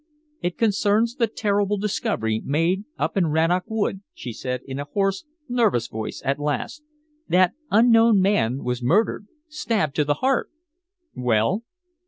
"It concerns the terrible discovery made up in Rannoch Wood," she said in a hoarse, nervous voice at last. "That unknown man was murdered stabbed to the heart." "Well?"